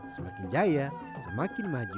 semakin jaya semakin maju